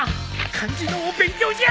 漢字の勉強じゃ！